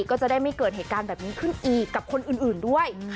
ก็จะได้ไม่เกิดเหตุการณ์แบบนี้ขึ้นอีกกับคนอื่นด้วย